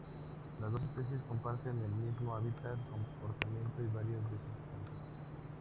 Las dos especies comparten el mismo hábitat, comportamiento y varios de sus cantos.